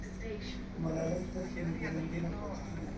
که ملالۍ تښتي، نو بې ننګۍ ته پاتې کېږي.